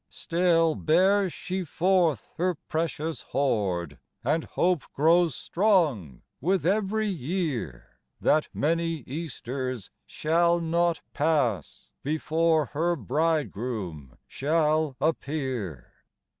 Still bears she forth her precious hoard, And hope grows strong with every year. That many Easters shall not pass Before her Bridegroom shall appear.